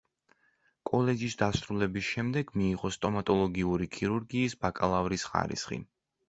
კოლეჯის დასრულების შემდეგ მიიღო სტომატოლოგიური ქირურგიის ბაკალავრის ხარისხი.